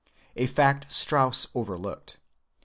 a fact Strauss overlooked.